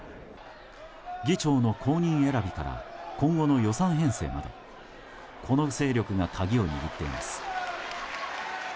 議長の後任選びから今後の予算編成までこの勢力が鍵を握っています。